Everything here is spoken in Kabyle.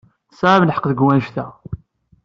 Tesɛamt lḥeqq deg wanect-a.